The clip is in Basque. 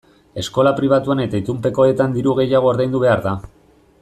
Eskola pribatuan eta itunpekoetan diru gehiago ordaindu behar da.